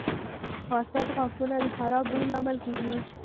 • فاسد غاښونه د خراب بوی لامل کیږي.